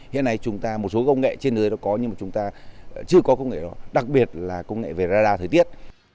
hiện nay một số công nghệ trên thế giới nó có nhưng chúng ta chưa có công nghệ đó đặc biệt là công nghệ về radar thời tiết